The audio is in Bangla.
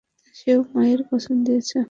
সেও মায়ের কসম দিয়েছে!